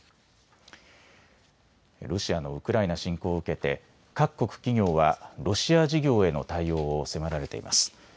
ロシアのウクライナ侵攻を受けて各国企業はロシア事業への対応を迫られています。